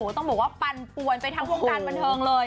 ต้องบอกว่าปั่นปวนไปทั้งวงการบันเทิงเลย